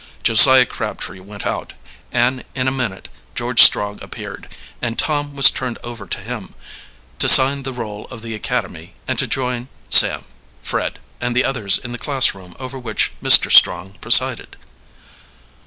Josiah Crabtree went out; and in a minute George Strong appeared, and Tom was turned over to him, to sign the roll of the academy and to join Sam, Fred, and the others in the class room over which Mr. Strong presided.